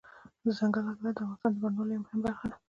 دځنګل حاصلات د افغانستان د بڼوالۍ یوه مهمه برخه ده.